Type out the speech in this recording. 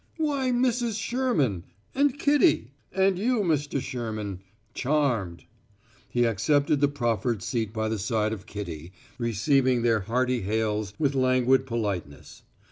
"Why, Mrs. Sherman and Kitty! And you, Mr. Sherman charmed!" He accepted the proffered seat by the side of Kitty, receiving their hearty hails with languid politeness.